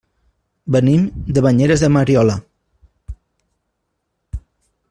Venim de Banyeres de Mariola.